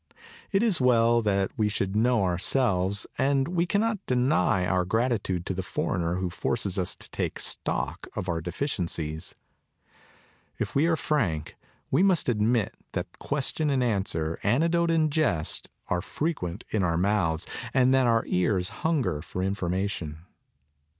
It is well that we should know ourselves; and we cannot deny our gratitude to the foreigner who forces us to take stock of our deficiencies. If we are frank we must admit that question and answer, anecdote and jest, are frequent in our mouths and that our ears hunger for informa tion.